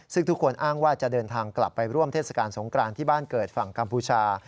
ซึ่งทุกคนอ้างว่าจะเดินทางกลับไปร่วมเทศกาลสงกรานที่บ้านเกิดฝั่งกัมพูชา